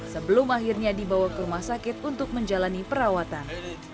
sebelum akhirnya dibawa ke rumah sakit untuk menjalani perawatan